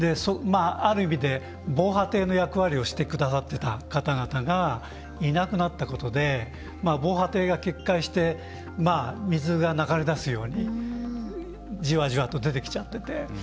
ある意味で、防波堤の役割をしてくださってた方々がいなくなったことで防波堤が決壊して水が流れ出すようにじわじわと出てきちゃってて。